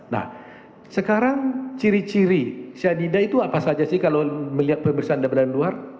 nah sekarang ciri ciri cyanida itu apa saja sih kalau melihat pemirsaan luar